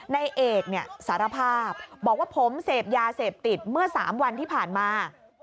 ในเอกเนี่ยสารภาพบอกว่าผมเสพยาเสพติดเมื่อ๓วันที่ผ่านมา